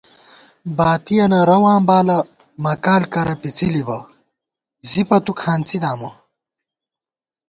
باتِیَنہ رَواں بالہ ، مَکال کرہ پِڅِلِبہ ، زِپہ تُو کھانڅی دامہ